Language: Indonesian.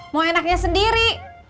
mau enaknya sendiri